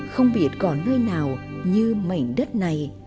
không biết có nơi nào như mảnh đất này